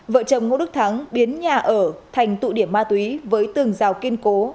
vợ chồng ngô đức thắng biến nhà ở thành tụ điểm ma túy với từng dao kiên cố